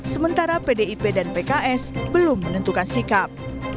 sementara pdip dan pks belum menentukan sikap